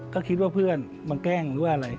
ก็คิดว่าเพื่อนมาแกล้งหรือว่าอะไร